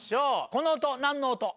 この音なんの音？